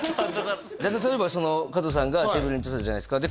例えば加藤さんがテーブルにいるとするじゃないですか？